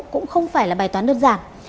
cũng không phải là bài toán đơn giản